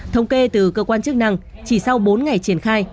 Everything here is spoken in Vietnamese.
thống kê từ cơ quan chức năng chỉ sau bốn ngày triển khai